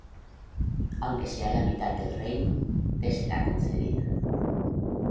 Aunque sea la mitad del reino, te será concedida.